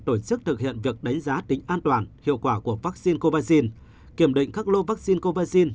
tổ chức thực hiện việc đánh giá tính an toàn hiệu quả của vaccine covid kiểm định các lô vaccine covid